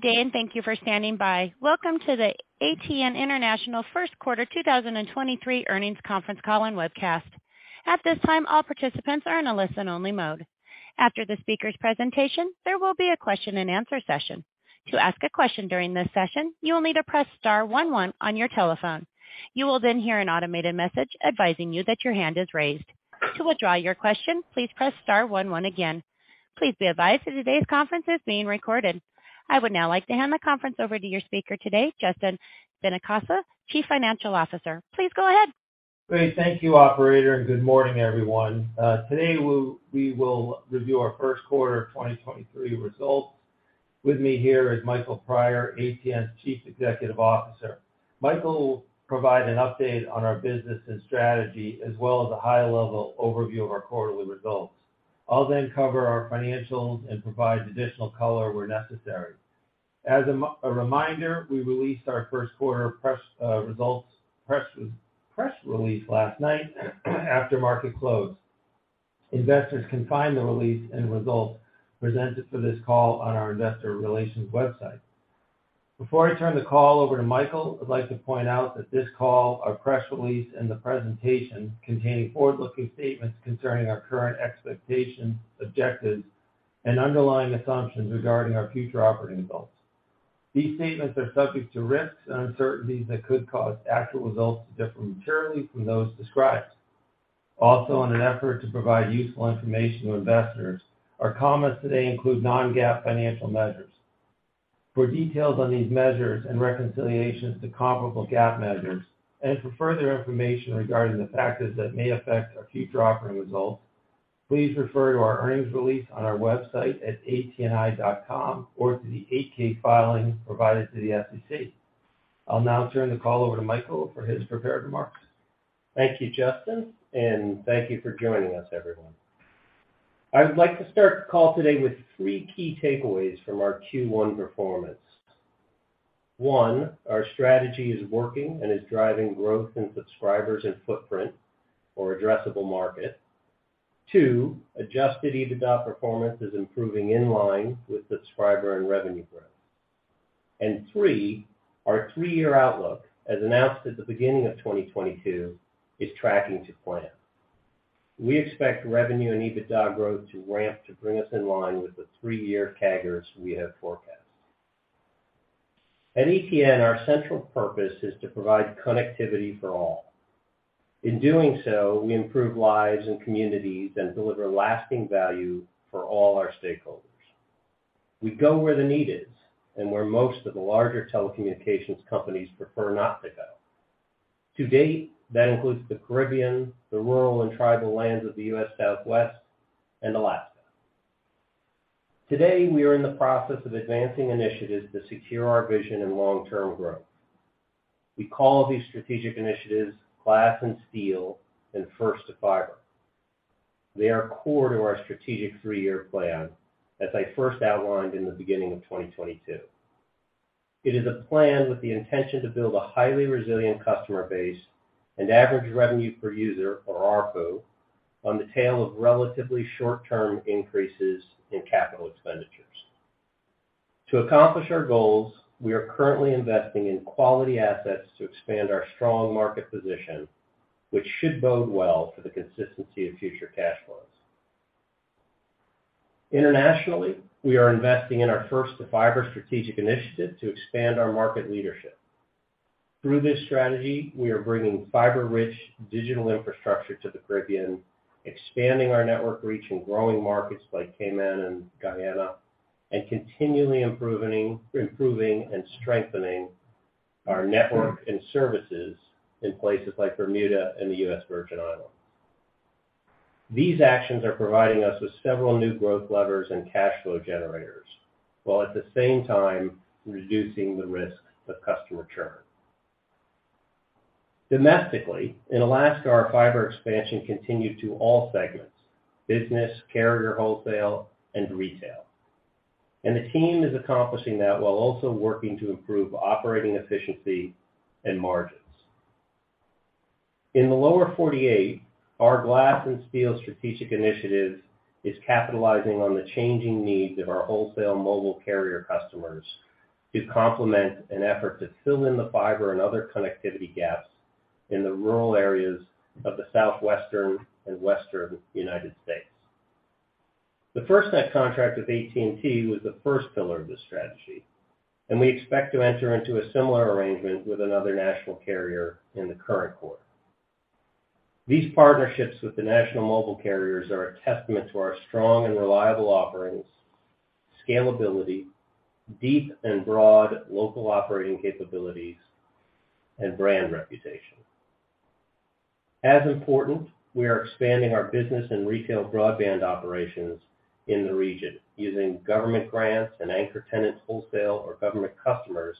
Good day, and thank you for standing by. Welcome to the ATN International first quarter 2023 earnings conference call and webcast. At this time, all participants are in a listen only mode. After the speaker's presentation, there will be a question and answer session. To ask a question during this session, you will need to press star 11 on your telephone. You will then hear an automated message advising you that your hand is raised. To withdraw your question, please press star 11 again. Please be advised that today's conference is being recorded. I would now like to hand the conference over to your speaker today, Justin Benincasa, Chief Financial Officer. Please go ahead. Great. Thank you, operator, Good morning, everyone. Today we will review our first quarter 2023 results. With me here is Michael Prior, ATN's Chief Executive Officer. Michael will provide an update on our business and strategy as well as a high level overview of our quarterly results. I'll then cover our financials and provide additional color where necessary. As a reminder, we released our first quarter press release last night after market close. Investors can find the release and results presented for this call on our investor relations website. Before I turn the call over to Michael, I'd like to point out that this call, our press release, and the presentation containing forward-looking statements concerning our current expectations, objectives, and underlying assumptions regarding our future operating results. These statements are subject to risks and uncertainties that could cause actual results to differ materially from those described. Also, in an effort to provide useful information to investors, our comments today include non-GAAP financial measures. For details on these measures and reconciliations to comparable GAAP measures and for further information regarding the factors that may affect our future operating results, please refer to our earnings release on our website at atni.com or to the 8-K filing provided to the SEC. I'll now turn the call over to Michael for his prepared remarks. Thank you, Justin. Thank you for joining us, everyone. I would like to start the call today with 3 key takeaways from our Q1 performance. One, our strategy is working and is driving growth in subscribers and footprint or addressable market. Two, Adjusted EBITDA performance is improving in line with subscriber and revenue growth. Three, our 3-year outlook, as announced at the beginning of 2022, is tracking to plan. We expect revenue and EBITDA growth to ramp to bring us in line with the 3-year CAGRs we have forecast. At ATN, our central purpose is to provide connectivity for all. In doing so, we improve lives and communities and deliver lasting value for all our stakeholders. We go where the need is and where most of the larger telecommunications companies prefer not to go. To date, that includes the Caribbean, the rural and tribal lands of the U.S. Southwest, and Alaska. Today, we are in the process of advancing initiatives to secure our vision and long-term growth. We call these strategic initiatives Glass & Steel and First to Fiber. They are core to our strategic three-year plan, as I first outlined in the beginning of 2022. It is a plan with the intention to build a highly resilient customer base and average revenue per user, or ARPU, on the tail of relatively short-term increases in capital expenditures. To accomplish our goals, we are currently investing in quality assets to expand our strong market position, which should bode well for the consistency of future cash flows. Internationally, we are investing in our First to Fiber strategic initiative to expand our market leadership. Through this strategy, we are bringing fiber-rich digital infrastructure to the Caribbean, expanding our network reach in growing markets like Cayman and Guyana, continually improving and strengthening our network and services in places like Bermuda and the U.S. Virgin Islands. These actions are providing us with several new growth levers and cash flow generators, while at the same time reducing the risk of customer churn. Domestically, in Alaska, our fiber expansion continued to all segments: business, carrier wholesale, and retail. The team is accomplishing that while also working to improve operating efficiency and margins. In the lower 48, our Glass & Steel strategic initiative is capitalizing on the changing needs of our wholesale mobile carrier customers to complement an effort to fill in the fiber and other connectivity gaps in the rural areas of the Southwestern and Western United States. The FirstNet contract with AT&T was the first pillar of this strategy, and we expect to enter into a similar arrangement with another national carrier in the current quarter. These partnerships with the national mobile carriers are a testament to our strong and reliable offerings, scalability, deep and broad local operating capabilities, and brand reputation. As important, we are expanding our business and retail broadband operations in the region using government grants and anchor tenants wholesale or government customers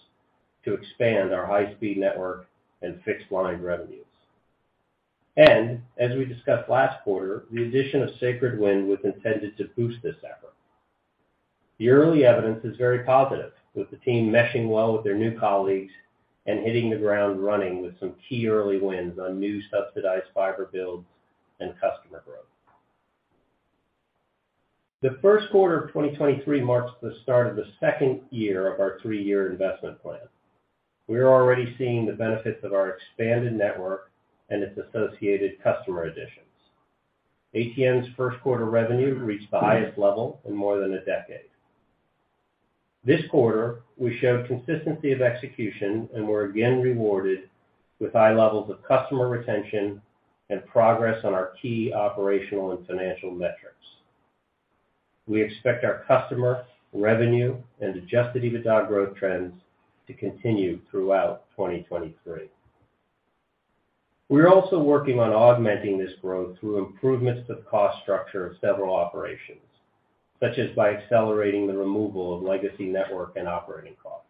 to expand our high-speed network and fixed line revenues. As we discussed last quarter, the addition of Sacred Wind was intended to boost this effort. The early evidence is very positive, with the team meshing well with their new colleagues and hitting the ground running with some key early wins on new subsidized fiber builds and customer growth. The first quarter of 2023 marks the start of the second year of our 3-year investment plan. We are already seeing the benefits of our expanded network and its associated customer additions. ATN's first quarter revenue reached the highest level in more than a decade. This quarter, we showed consistency of execution, and were again rewarded with high levels of customer retention and progress on our key operational and financial metrics. We expect our customer, revenue, and Adjusted EBITDA growth trends to continue throughout 2023. We're also working on augmenting this growth through improvements to the cost structure of several operations, such as by accelerating the removal of legacy network and operating costs.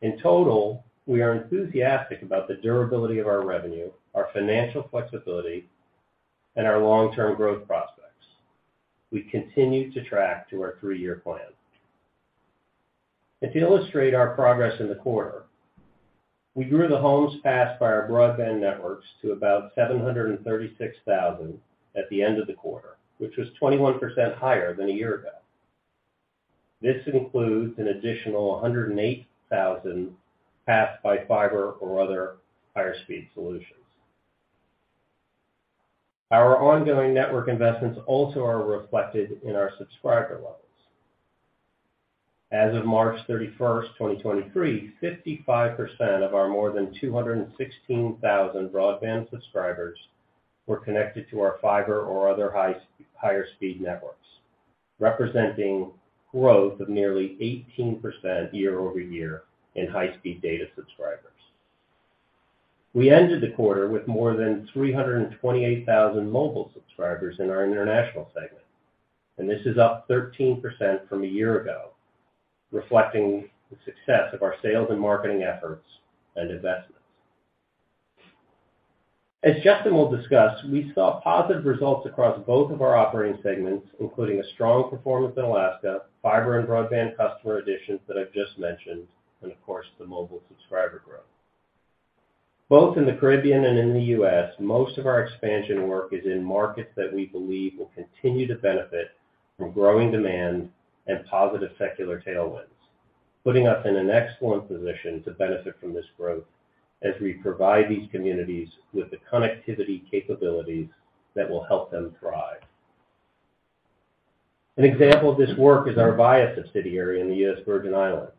In total, we are enthusiastic about the durability of our revenue, our financial flexibility, and our long-term growth prospects. We continue to track to our three-year plan. To illustrate our progress in the quarter, we grew the homes passed by our broadband networks to about 736,000 at the end of the quarter, which was 21% higher than a year ago. This includes an additional 108,000 passed by fiber or other higher speed solutions. Our ongoing network investments also are reflected in our subscriber levels. As of March 31, 2023, 55% of our more than 216,000 broadband subscribers were connected to our fiber or other higher speed networks, representing growth of nearly 18% year-over-year in high speed data subscribers. We ended the quarter with more than 328,000 mobile subscribers in our international segment, and this is up 13% from a year ago, reflecting the success of our sales and marketing efforts and investments. As Justin will discuss, we saw positive results across both of our operating segments, including a strong performance in Alaska, fiber and broadband customer additions that I've just mentioned, and of course, the mobile subscriber growth. Both in the Caribbean and in the U.S., most of our expansion work is in markets that we believe will continue to benefit from growing demand and positive secular tailwinds, putting us in an excellent position to benefit from this growth as we provide these communities with the connectivity capabilities that will help them thrive. An example of this work is our Viya subsidiary in the U.S. Virgin Islands.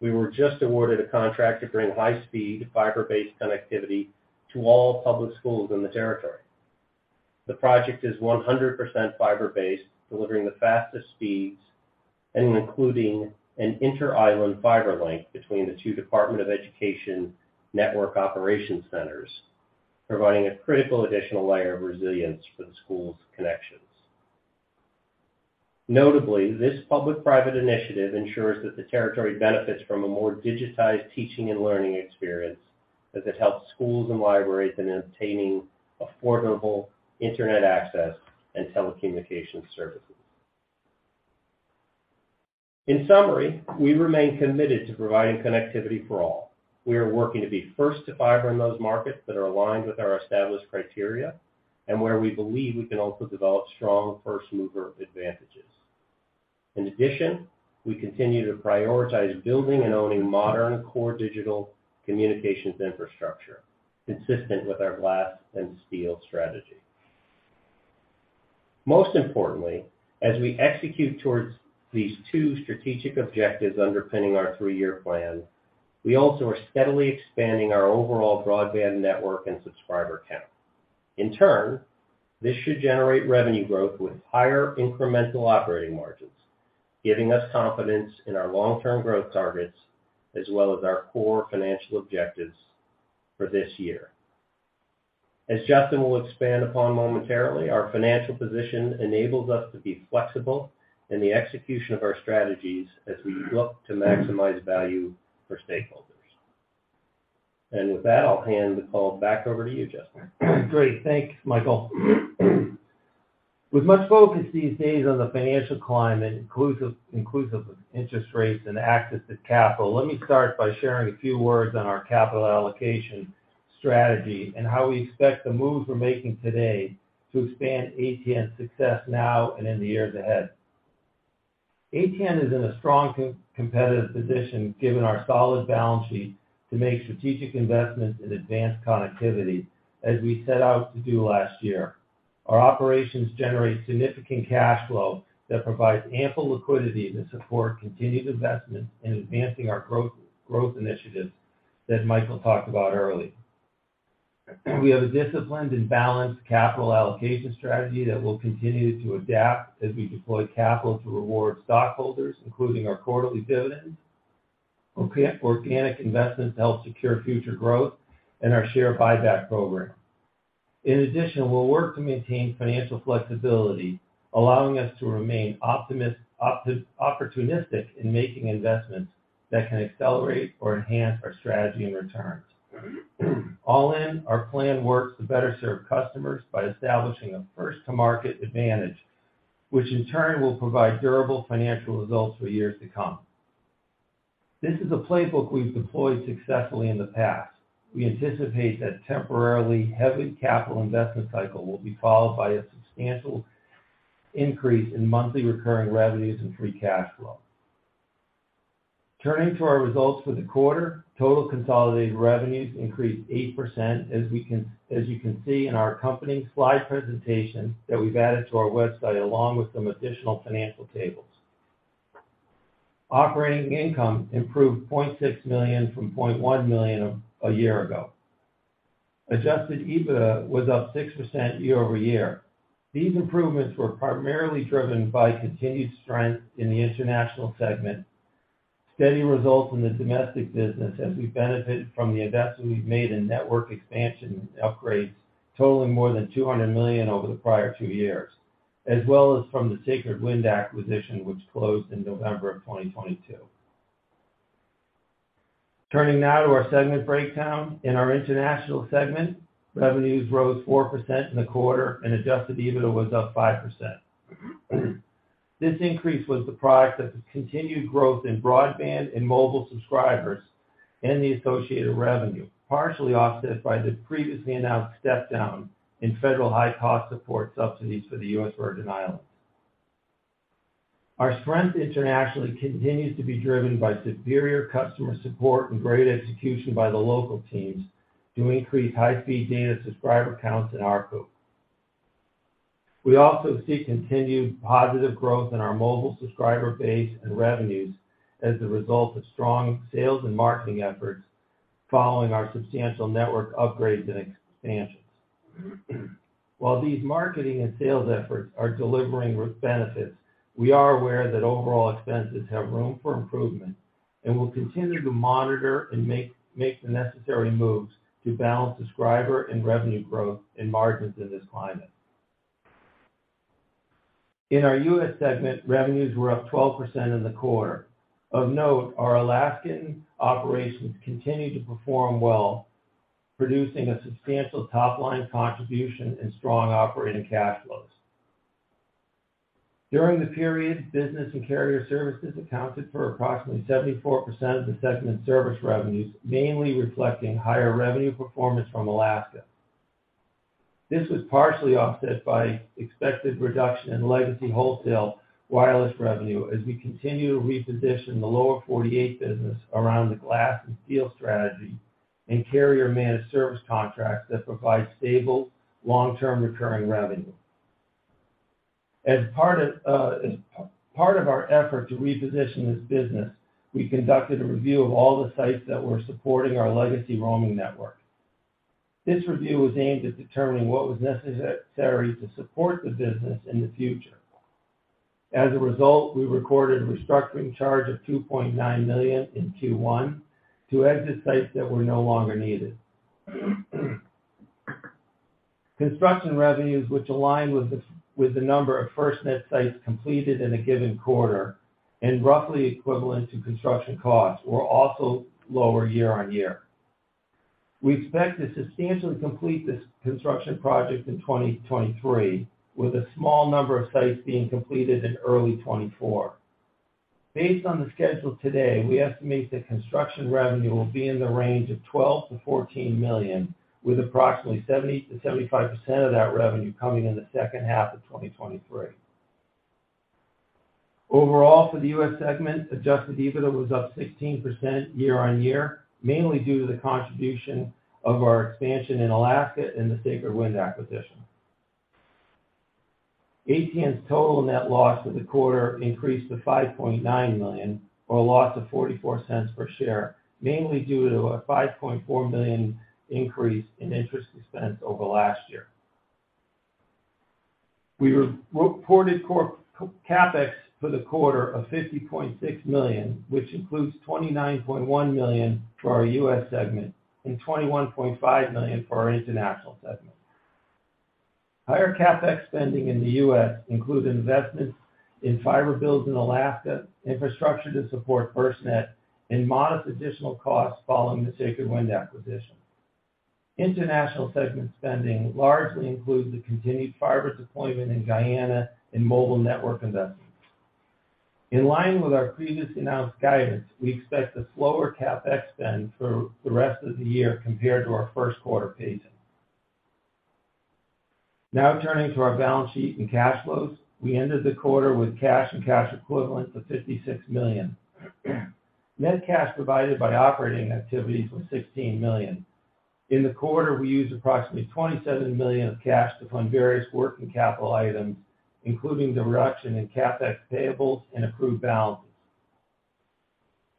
We were just awarded a contract to bring high speed fiber-based connectivity to all public schools in the territory. The project is 100% fiber-based, delivering the fastest speeds and including an inter-island fiber link between the 2 Department of Education network operations centers, providing a critical additional layer of resilience for the school's connections. Notably, this public-private initiative ensures that the territory benefits from a more digitized teaching and learning experience, as it helps schools and libraries in obtaining affordable internet access and telecommunications services. In summary, we remain committed to providing connectivity for all. We are working to be First-to-Fiber in those markets that are aligned with our established criteria, and where we believe we can also develop strong first-mover advantages. In addition, we continue to prioritize building and owning modern core digital communications infrastructure, consistent with our Glass & Steel strategy. Most importantly, as we execute towards these two strategic objectives underpinning our three-year plan, we also are steadily expanding our overall broadband network and subscriber count. In turn, this should generate revenue growth with higher incremental operating margins, giving us confidence in our long-term growth targets as well as our core financial objectives for this year. As Justin will expand upon momentarily, our financial position enables us to be flexible in the execution of our strategies as we look to maximize value for stakeholders. With that, I'll hand the call back over to you, Justin. Great. Thanks, Michael. With much focus these days on the financial climate, inclusive of interest rates and access to capital, let me start by sharing a few words on our capital allocation strategy and how we expect the moves we're making today to expand ATN's success now and in the years ahead. ATN is in a strong competitive position given our solid balance sheet to make strategic investments in advanced connectivity as we set out to do last year. Our operations generate significant cash flow that provides ample liquidity to support continued investment in advancing our growth initiatives that Michael talked about earlier. We have a disciplined and balanced capital allocation strategy that will continue to adapt as we deploy capital to reward stockholders, including our quarterly dividend, organic investments to help secure future growth, and our share buyback program. We'll work to maintain financial flexibility, allowing us to remain opportunistic in making investments that can accelerate or enhance our strategy and returns. Our plan works to better serve customers by establishing a first to market advantage, which in turn will provide durable financial results for years to come. This is a playbook we've deployed successfully in the past. We anticipate that temporarily heavy capital investment cycle will be followed by a substantial increase in monthly recurring revenues and free cash flow. Turning to our results for the quarter, total consolidated revenues increased 8%, as you can see in our accompanying slide presentation that we've added to our website, along with some additional financial tables. Operating income improved $0.6 million from $0.1 million a year ago. Adjusted EBITDA was up 6% year-over-year. These improvements were primarily driven by continued strength in the international segment, steady results in the domestic business as we benefited from the investment we've made in network expansion upgrades totaling more than $200 million over the prior two years, as well as from the Sacred Wind acquisition, which closed in November of 2022. Turning now to our segment breakdown. In our international segment, revenues rose 4% in the quarter and Adjusted EBITDA was up 5%. This increase was the product of the continued growth in broadband and mobile subscribers and the associated revenue, partially offset by the previously announced step down in federal high-cost support subsidies for the U.S. Virgin Islands. Our strength internationally continues to be driven by superior customer support and great execution by the local teams to increase high-speed data subscriber counts in ARPU. We also see continued positive growth in our mobile subscriber base and revenues as a result of strong sales and marketing efforts following our substantial network upgrades and expansions. While these marketing and sales efforts are delivering benefits, we are aware that overall expenses have room for improvement, and we'll continue to monitor and make the necessary moves to balance subscriber and revenue growth and margins in this climate. In our U.S. segment, revenues were up 12% in the quarter. Of note, our Alaskan operations continued to perform well, producing a substantial top-line contribution and strong operating cash flows. During the period, business and carrier services accounted for approximately 74% of the segment service revenues, mainly reflecting higher revenue performance from Alaska. This was partially offset by expected reduction in legacy wholesale wireless revenue as we continue to reposition the lower 48 business around the Glass & Steel strategy and carrier managed service contracts that provide stable, long-term recurring revenue. As part of our effort to reposition this business, we conducted a review of all the sites that were supporting our legacy roaming network. This review was aimed at determining what was necessary to support the business in the future. As a result, we recorded a restructuring charge of $2.9 million in Q1 to exit sites that were no longer needed. Construction revenues, which align with the number of FirstNet sites completed in a given quarter and roughly equivalent to construction costs, were also lower year-over-year. We expect to substantially complete this construction project in 2023, with a small number of sites being completed in early 2024. Based on the schedule today, we estimate that construction revenue will be in the range of $12 million-$14 million, with approximately 70%-75% of that revenue coming in the second half of 2023. Overall, for the U.S. segment, Adjusted EBITDA was up 16% year-on-year, mainly due to the contribution of our expansion in Alaska and the Sacred Wind acquisition. ATN's total net loss for the quarter increased to $5.9 million, or a loss of $0.44 per share, mainly due to a $5.4 million increase in interest expense over last year. We reported CapEx for the quarter of $50.6 million, which includes $29.1 million for our U.S. segment and $21.5 million for our international segment. Higher CapEx spending in the U.S. includes investments in fiber builds in Alaska, infrastructure to support FirstNet, and modest additional costs following the Sacred Wind acquisition. International segment spending largely includes the continued fiber deployment in Guyana and mobile network investments. In line with our previously announced guidance, we expect a slower CapEx spend for the rest of the year compared to our first quarter pacing. Turning to our balance sheet and cash flows. We ended the quarter with cash and cash equivalents of $56 million. Net cash provided by operating activities was $16 million. In the quarter, we used approximately $27 million of cash to fund various working capital items, including the reduction in CapEx payables and accrued balances.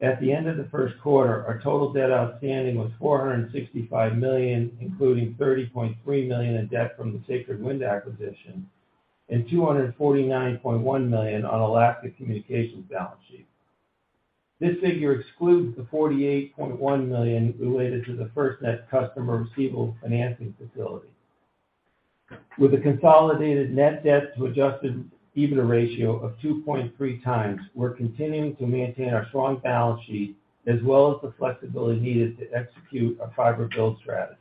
At the end of the first quarter, our total debt outstanding was $465 million, including $30.3 million in debt from the Sacred Wind acquisition and $249.1 million on Alaska Communications balance sheet. This figure excludes the $48.1 million related to the FirstNet customer receivable financing facility. With a consolidated net debt to Adjusted EBITDA ratio of 2.3 times, we're continuing to maintain our strong balance sheet as well as the flexibility needed to execute a fiber build strategy.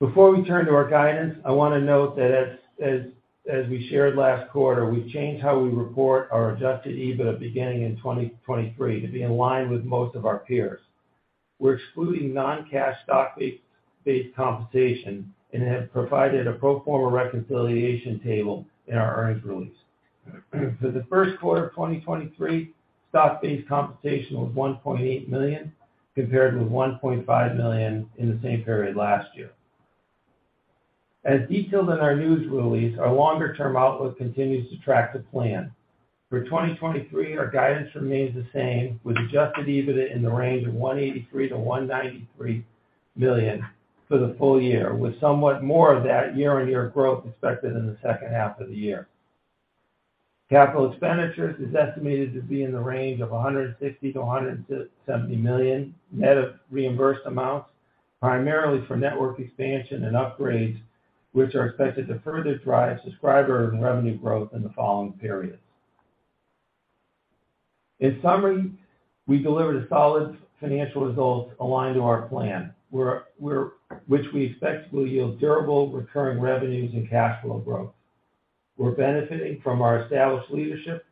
Before we turn to our guidance, I want to note that as we shared last quarter, we've changed how we report our Adjusted EBITDA beginning in 2023 to be in line with most of our peers. We're excluding non-cash stock-based compensation and have provided a pro forma reconciliation table in our earnings release. For the first quarter of 2023, stock-based compensation was $1.8 million compared with $1.5 million in the same period last year. As detailed in our news release, our longer-term outlook continues to track to plan. For 2023, our guidance remains the same, with Adjusted EBITDA in the range of $183 million-$193 million for the full year, with somewhat more of that year-on-year growth expected in the second half of the year. Capital expenditures is estimated to be in the range of $160 million-$170 million, net of reimbursed amounts, primarily for network expansion and upgrades, which are expected to further drive subscriber and revenue growth in the following periods. In summary, we delivered a solid financial result aligned to our plan. We expect will yield durable recurring revenues and cash flow growth. We're benefiting from our established leadership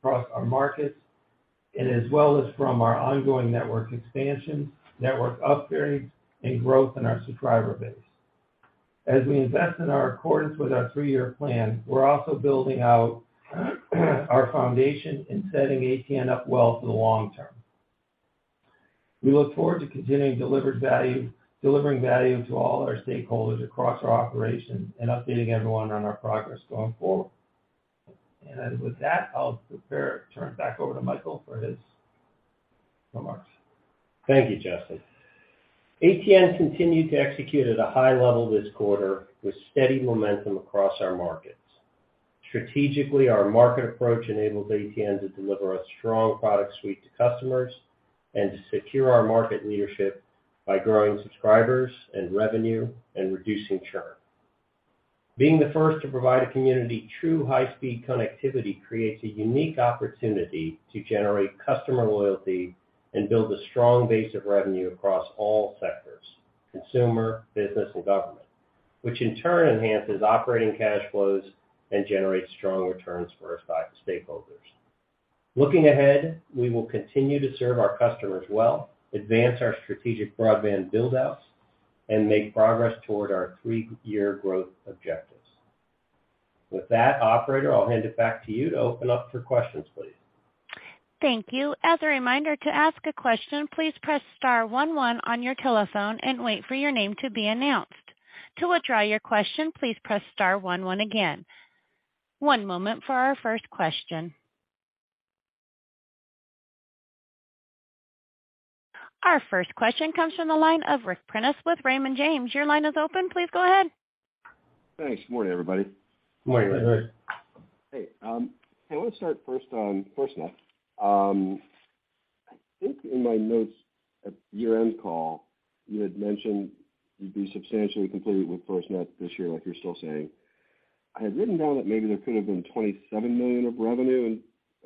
across our markets and as well as from our ongoing network expansion, network upgrades, and growth in our subscriber base. As we invest in our accordance with our three-year plan, we're also building out our foundation and setting ATN up well for the long term. We look forward to continuing delivering value to all our stakeholders across our operations and updating everyone on our progress going forward. With that, I'll prepare to turn it back over to Michael for his remarks. Thank you, Justin. ATN continued to execute at a high level this quarter with steady momentum across our markets. Strategically, our market approach enables ATN to deliver a strong product suite to customers and to secure our market leadership by growing subscribers and revenue and reducing churn. Being the first to provide a community true high-speed connectivity creates a unique opportunity to generate customer loyalty and build a strong base of revenue across all sectors, consumer, business, and government, which in turn enhances operating cash flows and generates strong returns for our stakeholders. Looking ahead, we will continue to serve our customers well, advance our strategic broadband build-outs, and make progress toward our three-year growth objectives. Operator, I'll hand it back to you to open up for questions, please. Thank you. As a reminder to ask a question, please press star one one on your telephone and wait for your name to be announced. To withdraw your question, please press star one one again. One moment for our first question. Our first question comes from the line of Ric Prentiss with Raymond James. Your line is open. Please go ahead. Thanks. Good morning, everybody. Good morning, Ric. Hey. I want to start first on FirstNet. I think in my notes at year-end call, you had mentioned you'd be substantially completed with FirstNet this year, like you're still saying. I had written down that maybe there could have been $27 million of revenue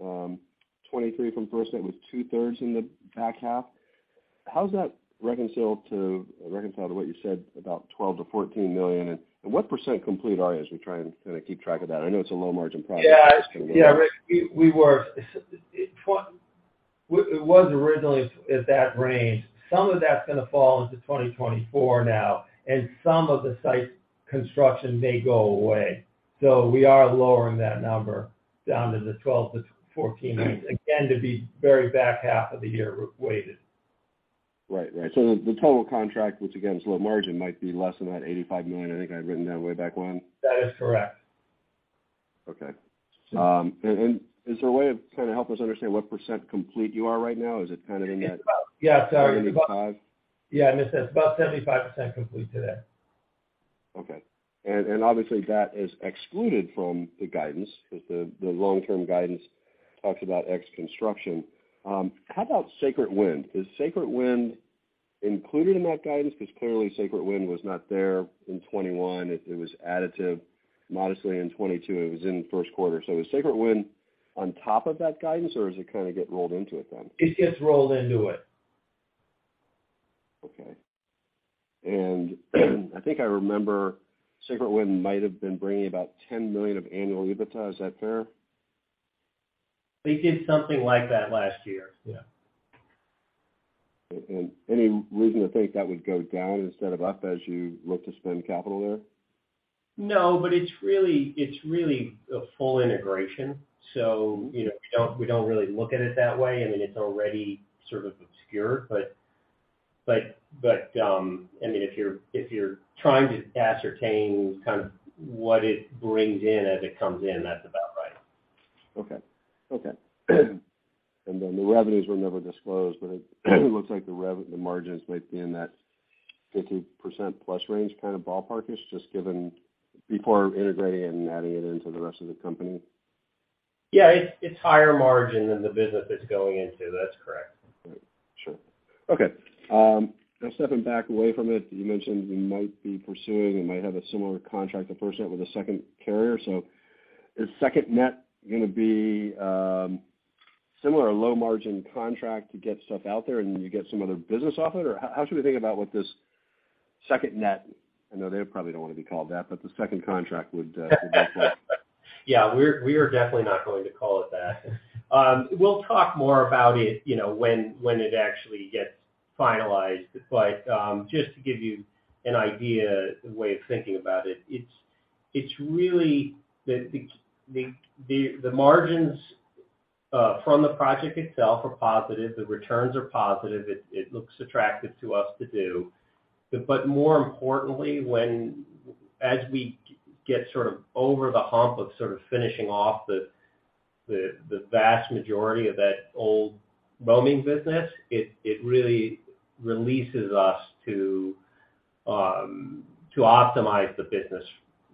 and $23 from FirstNet was two-thirds in the back half. How does that reconcile to what you said about $12 million-$14 million? And what % complete are you as we try and kind of keep track of that? I know it's a low margin product. It's kind of Ric, It was originally at that range. Some of that's gonna fall into 2024 now, and some of the site construction may go away. We are lowering that number down to the 12-14 range. Again, to be very back half of the year weighted. Right. Right. The total contract, which again is low margin, might be less than that $85 million, I think I'd written that way back when. That is correct. Okay. Is there a way of kind of help us understand what % complete you are right now? Is it kind of in that?. Sorry. Seventy-five? I missed that. It's about 75% complete today. Obviously that is excluded from the guidance because the long-term guidance talks about ex-construction. How about Sacred Wind? Is Sacred Wind included in that guidance? Because clearly Sacred Wind was not there in 2021. It was additive modestly in 2022, and it was in the first quarter. Is Sacred Wind on top of that guidance, or does it kind of get rolled into it then? It gets rolled into it. Okay. I think I remember Sacred Wind might have been bringing about $10 million of annual EBITDA. Is that fair? They did something like that last year.. Any reason to think that would go down instead of up as you look to spend capital there? No, it's really a full integration. You know, we don't really look at it that way. I mean, it's already sort of obscured. I mean, if you're trying to ascertain kind of what it brings in as it comes in, that's about right. Okay. Okay. The revenues were never disclosed, but it looks like the margins might be in that 50% plus range kind of ballparkish, just given before integrating and adding it into the rest of the company.. It's higher margin than the business it's going into. That's correct. Sure. Okay. Now stepping back away from it, you mentioned you might be pursuing, you might have a similar contract to FirstNet with a second carrier. Is SecondNet gonna be similar low margin contract to get stuff out there and you get some other business off it? Or how should we think about what this second net, I know they probably don't wanna be called that, but the second contract would look like?. We are definitely not going to call it that. We'll talk more about it, you know, when it actually gets finalized. Just to give you an idea, the way of thinking about it's really the margins from the project itself are positive, the returns are positive. It looks attractive to us to do. More importantly, as we get sort of over the hump of sort of finishing off the vast majority of that old roaming business, it really releases us to optimize the business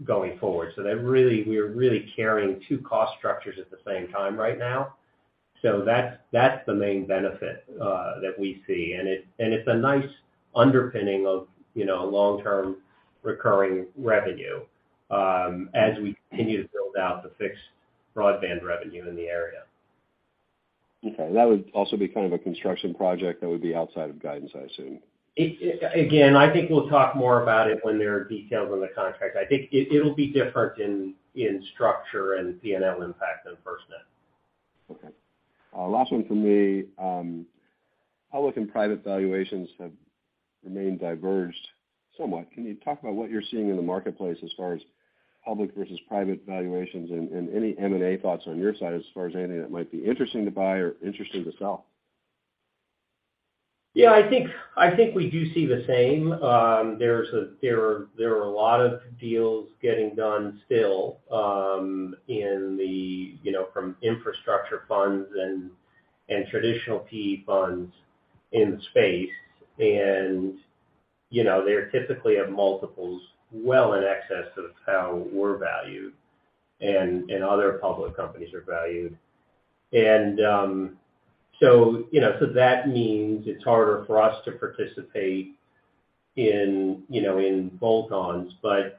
going forward. That really, we're really carrying 2 cost structures at the same time right now. That's the main benefit that we see. It's a nice underpinning of, you know, long-term recurring revenue, as we continue to build out the fixed broadband revenue in the area. That would also be kind of a construction project that would be outside of guidance, I assume. I think we'll talk more about it when there are details on the contract. I think it'll be different in structure and PNL impact than FirstNet. Last one from me. Public and private valuations have remained diverged somewhat. Can you talk about what you're seeing in the marketplace as far as public versus private valuations and any M&A thoughts on your side as far as anything that might be interesting to buy or interesting to sell? , I think we do see the same. There's a lot of deals getting done still, you know, from infrastructure funds and traditional PE funds in the space. You know, they're typically at multiples well in excess of how we're valued and other public companies are valued. You know, that means it's harder for us to participate in, you know, in bolt-ons. But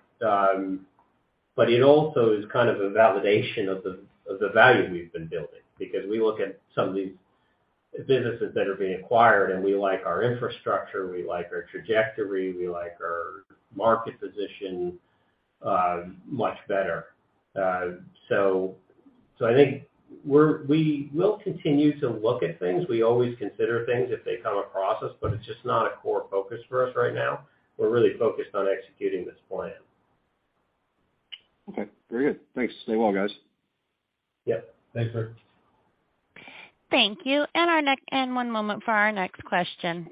it also is kind of a validation of the value we've been building because we look at some of these businesses that are being acquired, and we like our infrastructure, we like our trajectory, we like our market position much better. I think we will continue to look at things. We always consider things if they come across us, but it's just not a core focus for us right now. We're really focused on executing this plan. Okay. Very good. Thanks. Stay well, guys. Yep. Thanks, Bert. Thank you. One moment for our next question.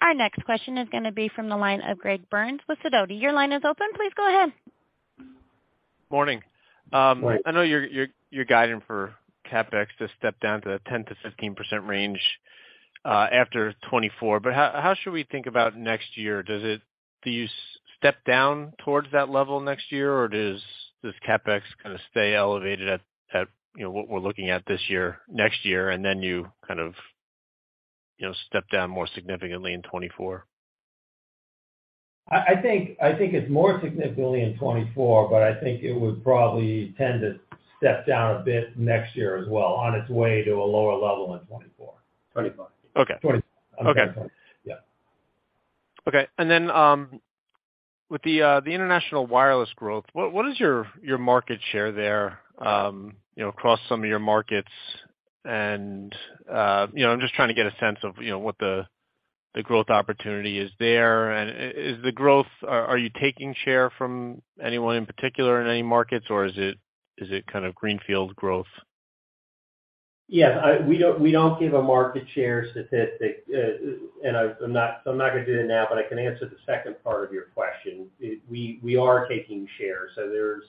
Our next question is gonna be from the line of Greg Burns with Sidoti & Company. Your line is open. Please go ahead. Morning. Morning. I know your guiding for CapEx to step down to 10%-15% range after 2024. How should we think about next year? Do you step down towards that level next year, or does CapEx kinda stay elevated at, you know, what we're looking at this year, next year, and then you kind of, you know, step down more significantly in 2024? I think, I think it's more significantly in 2024. I think it would probably tend to step down a bit next year as well on its way to a lower level in 2024. 2025. Okay. 'Twenty-five. Okay. I'm sorry, 25.. Okay. With the international wireless growth, what is your market share there, you know, across some of your markets? You know, I'm just trying to get a sense of, you know, what the growth opportunity is there. Are you taking share from anyone in particular in any markets, or is it kind of greenfield growth? We don't give a market share statistic. I'm not gonna do it now, but I can answer the second part of your question. We are taking share. There's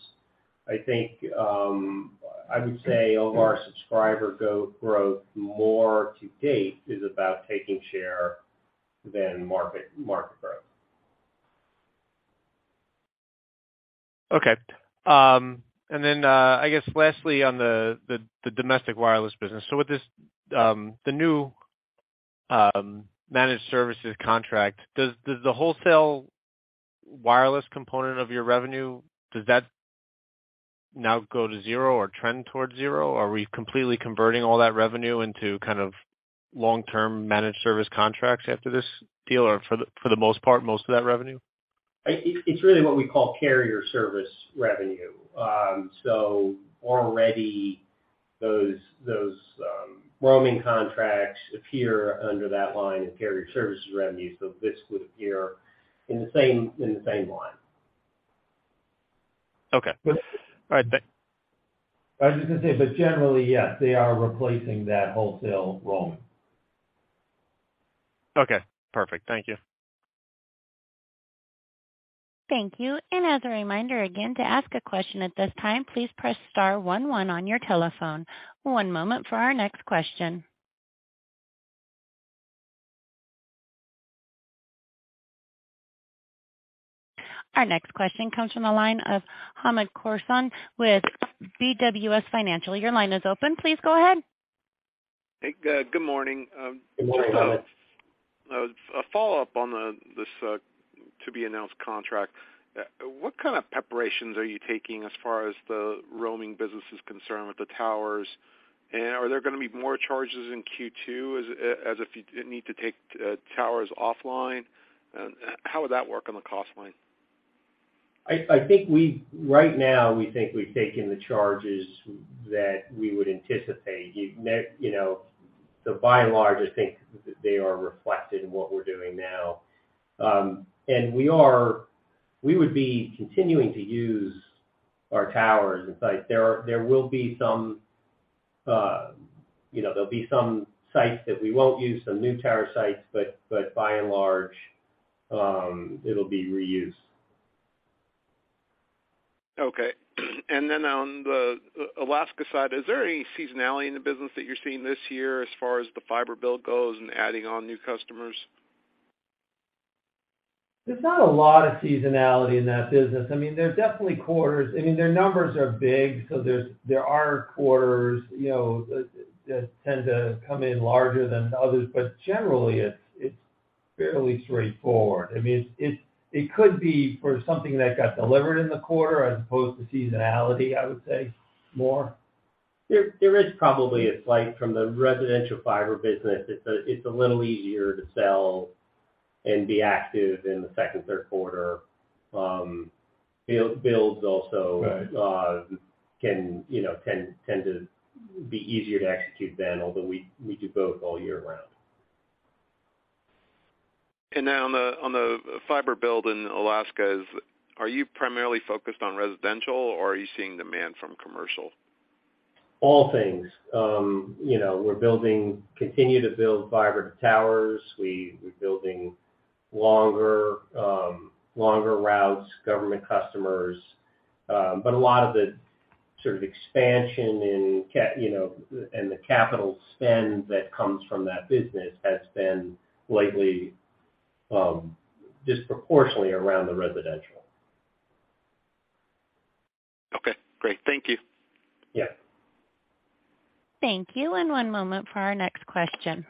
I think, I would say of our subscriber growth more to date is about taking share than market growth. Okay. I guess lastly, on the domestic wireless business. The new managed services contract, does the wholesale wireless component of your revenue, does that now go to zero or trend towards zero? Are we completely converting all that revenue into kind of long-term managed service contracts after this deal or for the most part, most of that revenue? It, it's really what we call carrier service revenue. Already those, roaming contracts appear under that line of carrier services revenue. This would appear in the same line. Okay. All right. I was just gonna say, but generally, yes, they are replacing that wholesale roaming. Okay. Perfect. Thank you. Thank you. As a reminder again, to ask a question at this time, please press star 1 1 on your telephone. One moment for our next question. Our next question comes from the line of Hamed Khorsand with BWS Financial. Your line is open. Please go ahead. Hey, good morning. Good morning. A follow-up on this to be announced contract. What kind of preparations are you taking as far as the roaming business is concerned with the towers? Are there gonna be more charges in Q2 as if you need to take towers offline? How would that work on the cost line? I think right now, we think we've taken the charges that we would anticipate. You know, by and large, I think they are reflected in what we're doing now. We would be continuing to use our towers. In fact, there will be some, you know, there'll be some sites that we won't use, some new tower sites, by and large, it'll be reused. Okay. Then on the Alaska side, is there any seasonality in the business that you're seeing this year as far as the fiber build goes and adding on new customers? There's not a lot of seasonality in that business. I mean, there's definitely quarters. I mean, their numbers are big, so there are quarters, you know, that tend to come in larger than others, but generally, it's fairly straightforward. I mean, it's, it could be for something that got delivered in the quarter as opposed to seasonality, I would say more. There is probably a slight from the residential fiber business. It's a little easier to sell and be active in the second, third quarter. builds also. Right You know, tend to be easier to execute then, although we do both all year round. Now on the fiber build in Alaska, are you primarily focused on residential or are you seeing demand from commercial? All things. You know, we're building, continue to build fiber to towers. We're building longer routes, government customers, but a lot of the sort of expansion and you know, and the capital spend that comes from that business has been lately, disproportionately around the residential. Okay, great. Thank you. Thank you. One moment for our next question.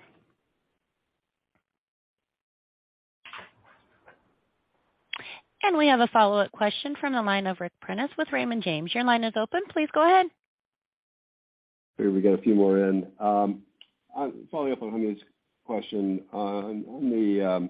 We have a follow-up question from the line of Ric Prentiss with Raymond James. Your line is open. Please go ahead. Here, we got a few more in. Following up on Hamed's question on the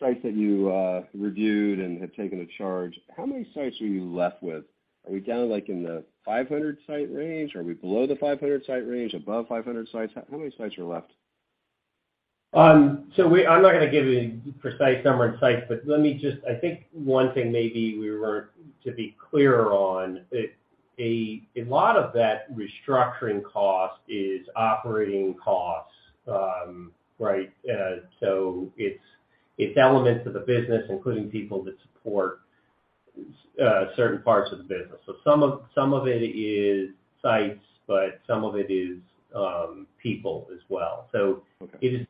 sites that you reviewed and had taken a charge, how many sites are you left with? Are we down, like, in the 500 site range? Are we below the 500 site range, above 500 sites? How many sites are left? I'm not gonna give you a precise number of sites, but let me just. I think one thing maybe we weren't to be clearer on, a lot of that restructuring cost is operating costs, right? It's, it's elements of the business, including people that support, certain parts of the business. Some of it is sites, but some of it is, people as well. Okay. It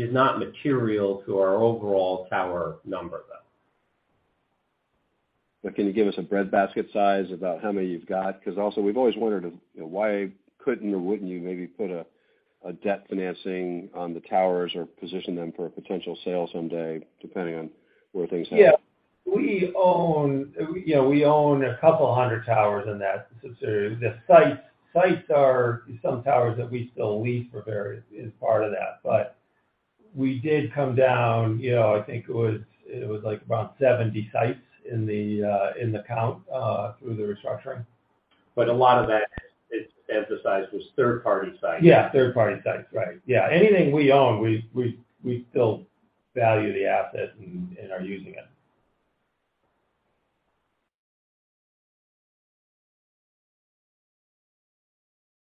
is not material to our overall tower number, though. Can you give us a breadbasket size about how many you've got? 'Cause also we've always wondered, you know, why couldn't or wouldn't you maybe put a debt financing on the towers or position them for a potential sale someday, depending on where things happen? We own, you know, we own a couple hundred towers in that. The sites are some towers that we still lease for various as part of that. We did come down, you know, I think it was, like, about 70 sites in the count through the restructuring. A lot of that, it's emphasized, was third-party sites., third-party sites, right. Anything we own, we still value the asset and are using it.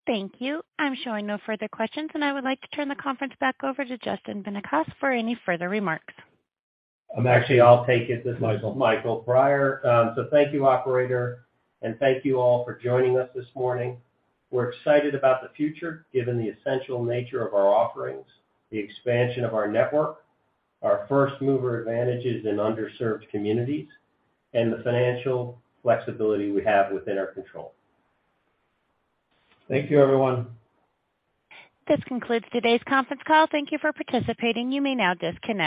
Thank you. I'm showing no further questions, and I would like to turn the conference back over to Justin Benincasa for any further remarks. Actually, I'll take it. This is Michael Prior. Thank you, operator, and thank you all for joining us this morning. We're excited about the future, given the essential nature of our offerings, the expansion of our network, our first-mover advantages in underserved communities, and the financial flexibility we have within our control. Thank you, everyone. This concludes today's conference call. Thank you for participating. You may now disconnect.